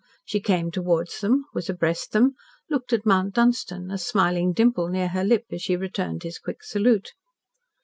She came towards them, was abreast them, looked at Mount Dunstan, a smiling dimple near her lip as she returned his quick salute.